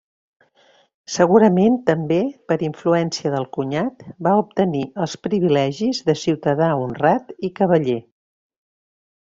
Segurament també per influència del cunyat va obtenir els privilegis de ciutadà honrat i cavaller.